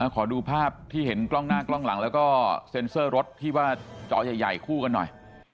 ขอดูภาพที่เห็นกล้องหน้ากล้องหลังแล้วก็เซ็นเซอร์รถที่ว่าจอใหญ่คู่กันหน่อย